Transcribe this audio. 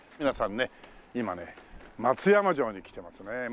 皆さんね今ね松山城に来てますね。